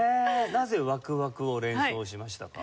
なぜ「ワクワク」を連想しましたか？